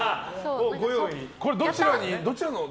これはどちらの？